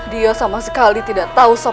dia sama sekali tidak tahu sopan satu